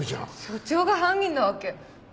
署長が犯人なわけ。